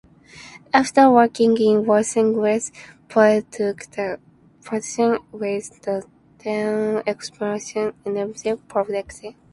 After working in Washington, Poile took the position with the then-expansion Nashville Predators.